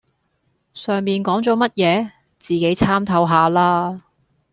上面講左乜野,自己參透下啦